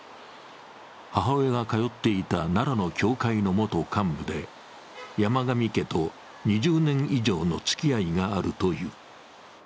母親が通っていた奈良の教会の元幹部で山上家と２０年以上のつきあいがあるという。